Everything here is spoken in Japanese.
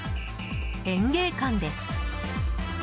園芸館です。